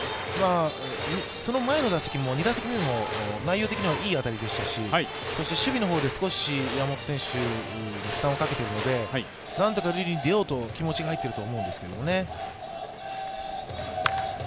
その前の打席も２打席目も内容的にはいい当たりでしたし守備の方で少し山本選手に負担をかけているので、何とか塁に出ようと、気持ちが入っていると思うんですけどね。